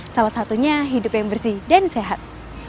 salah satunya hidup yang bersih dan sehat